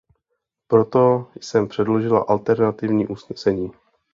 Proto jsem předložila alternativní usnesení.